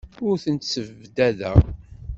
Ur tent-ssebdadeɣ.